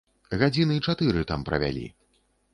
Гадзіны чатыры там правялі.